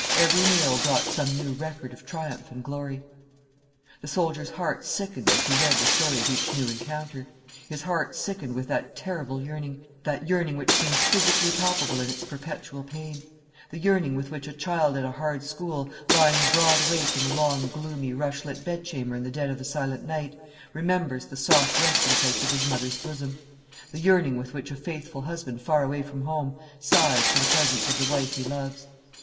Every mail brought some new record of triumph and glory. The soldier's heart sickened as he read the story of each new encounter; his heart sickened with that terrible yearning, that yearning which seems physically palpable in its perpetual pain; the yearning with which a child at a hard school, lying broad awake in the long, gloomy, rush lit bedchamber in the dead of the silent night, remembers the soft resting place of his mother's bosom; the yearning with which a faithful husband far away from home sighs for the presence of the wife he loves.